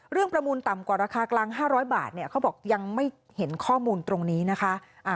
ประมูลต่ำกว่าราคากลาง๕๐๐บาทเขาบอกยังไม่เห็นข้อมูลตรงนี้นะคะ